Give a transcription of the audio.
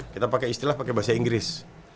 kita pakai istilah pakai bahasa inggris